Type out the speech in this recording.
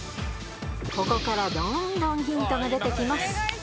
ここからどんどんヒントが出てきます。